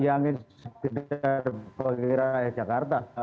yang ini sebenarnya kalau kira kira ya jakarta